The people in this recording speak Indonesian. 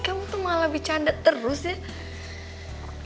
kamu tuh malah bercanda terus ya